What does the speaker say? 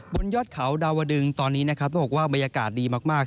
บนยอดเขาดาวดึงตอนนี้บอกว่าบรรยากาศดีมาก